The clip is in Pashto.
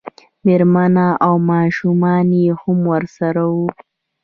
مېرمنه او ماشومان یې هم ورسره وو.